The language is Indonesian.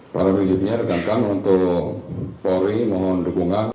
pada hari ini rekan rekan untuk polri mohon dukungan